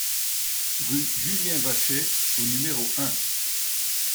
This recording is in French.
Rue Julien Vachet au numéro un